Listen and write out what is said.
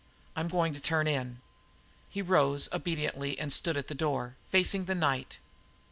I'm going to turn in." He rose obediently and stood at the door, facing the night.